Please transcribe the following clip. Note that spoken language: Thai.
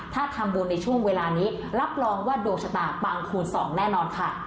ถ้าทำบุญในช่วงเวลานี้รับรองว่าดวงชะตาปังคูณสองแน่นอนค่ะ